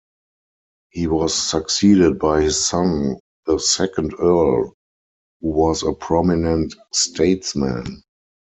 He was succeeded by his son, the second Earl, who was a prominent statesman.